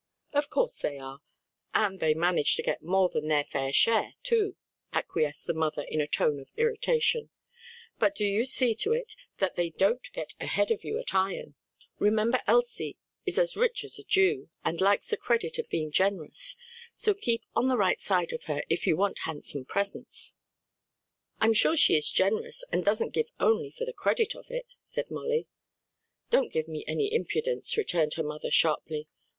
"Of course they are, and they manage to get more than their fair share, too," acquiesced the mother in a tone of irritation; "but do you see to it that they don't get ahead of you at Ion; remember Elsie is as rich as a Jew, and likes the credit of being generous, so keep on the right side of her, if you want handsome presents." "I'm sure she is generous and doesn't give only for the credit of it," said Molly. "Don't give me any impudence," returned her mother sharply.